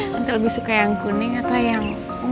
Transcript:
nanti lebih suka yang kuning atau yang